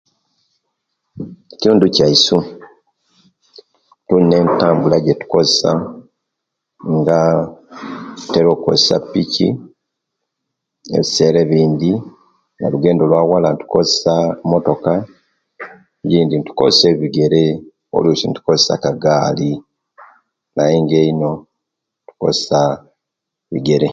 Mokitundu kiyaisu tuyina entambula ejetusinga okoyesa nga tutera okoyesa pici ebisera ebindi olugendo olwawala tukoyesa motoka egindi tukoyesa ebigere oluisi tukoyesiya kagali naye nga eino tukoyesiya bigere